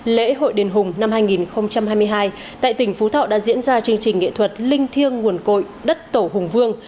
lễ hội đền hùng năm hai nghìn hai mươi hai tại tỉnh phú thọ đã diễn ra chương trình nghệ thuật linh thiêng nguồn cội đất tổ hùng vương